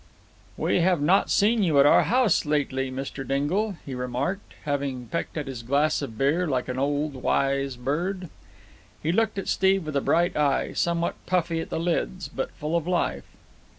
"We have not seen you at our house lately, Mr. Dingle," he remarked, having pecked at his glass of beer like an old, wise bird. He looked at Steve with a bright eye, somewhat puffy at the lids, but full of life.